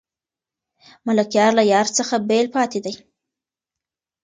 ملکیار له یار څخه بېل پاتې دی.